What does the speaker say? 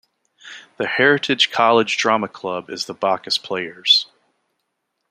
The Heritage College Drama Club is the Bacchus Players.